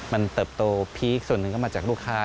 มันเติบโตพีคส่วนหนึ่งก็มาจากลูกค้า